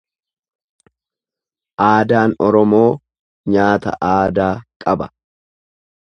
Aadaan Oromoo nyaata aadaa qaba.